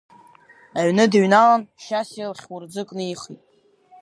Аҩны дыҩналан, Шьасиа лхьурӡы книхит.